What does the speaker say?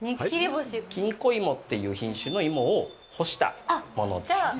きんこ芋っていう品種の芋を干したものです。